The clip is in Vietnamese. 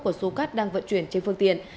của số cát đang vận chuyển trên phương tiện